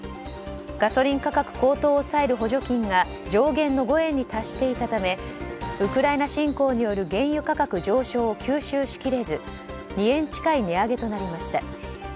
ガソリン価格高騰を抑える補助金が上限の５円に達していたためウクライナ侵攻による原油価格上昇を吸収しきれず２円近い値上げとなりました。